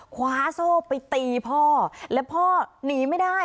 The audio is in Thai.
คว้าโซ่ไปตีพ่อและพ่อหนีไม่ได้